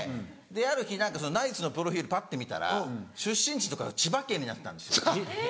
ある日ナイツのプロフィルパッて見たら出身地のとこが千葉県になってたんですよ。